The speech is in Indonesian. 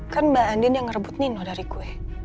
kan mbak andi yang ngerebut nino dari gue